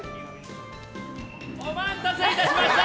お待たせいたしました！